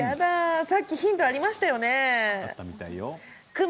さっきヒントがありましたね。